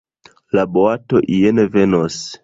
La boato ien venos.